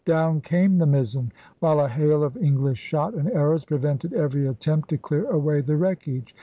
Down came the mizzen, while a hail of English shot and arrows prevented every attempt to clear away the wreckage.